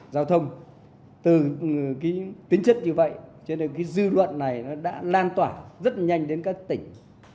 giao thông từ cái tính chất như vậy cho nên cái dư luận này nó đã lan tỏa rất nhanh đến các tỉnh